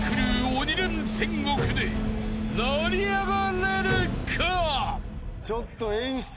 鬼レン戦国で成り上がれるか］